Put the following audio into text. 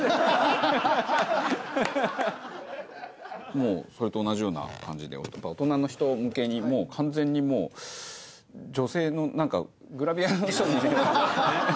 もうそれと同じような感じで大人の人向けに完全にもう女性のなんかグラビアの人に。